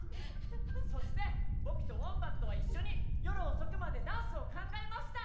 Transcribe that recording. そして僕とウォンバットは一緒に夜遅くまでダンスを考えました。